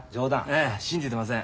ええ信じてません。